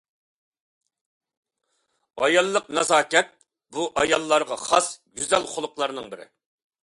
ئاياللىق نازاكەت - بۇ ئاياللارغا خاس گۈزەل خۇلقلارنىڭ بىرى.